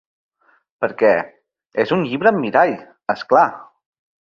Per què, és un llibre amb mirall, és clar!